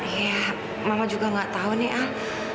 ya mama juga gak tau nih ah